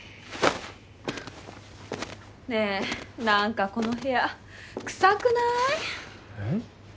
ねえ何かこの部屋臭くない？えっ？